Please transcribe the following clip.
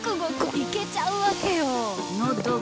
いけちゃうわけよ